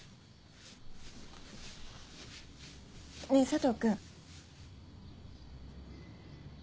ねぇ佐藤君。